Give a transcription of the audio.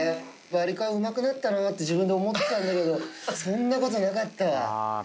バリカンうまくなったなって自分で思ってたんだけど、そんなことなかったわ。